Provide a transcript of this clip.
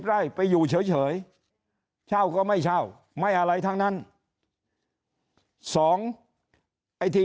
ไร่ไปอยู่เฉยเช่าก็ไม่เช่าไม่อะไรทั้งนั้นสองไอ้ที่